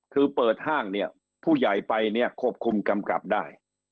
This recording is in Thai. คือเปิดห้างผู้ใหญ่ไปควบคุมกำกับได้